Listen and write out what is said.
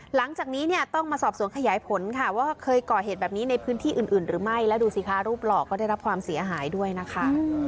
หลังจากนี้เนี่ยต้องมาสอบสวนขยายผลค่ะว่าเคยก่อเหตุแบบนี้ในพื้นที่อื่นหรือไม่แล้วดูสิคะรูปหล่อก็ได้รับความเสียหายด้วยนะคะ